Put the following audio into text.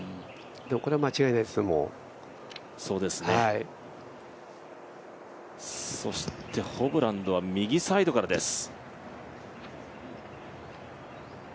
でもこれは間違いないですよ、もうホブランドは右サイドからです。